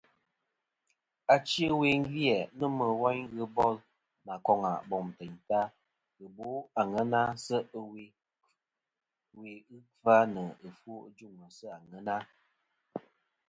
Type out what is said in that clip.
Achi ɨwe gvi-æ nomɨ woyn ghɨ bol nà koŋa bom teyn ta ghɨ bo àŋena se' ɨwe kfa nɨ ɨfwo ɨ juŋ sɨ àŋena.